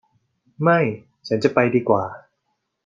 ไม่ฉันจะไปดีกว่า